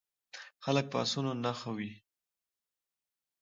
خلک په اسونو نښه وي.